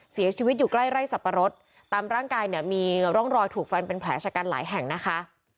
เสียชีวิตอยู่ใกล้ไร่สับปะรดตามร่างกายเนี่ยมีร่องรอยถูกฟันเป็นแผลชะกันหลายแห่งนะคะ